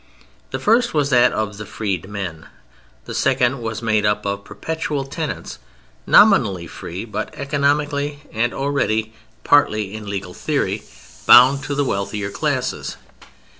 The first was that of the freed men, the second was made up of perpetual tenants, nominally free, but economically (and already partly in legal theory) bound to the wealthier classes.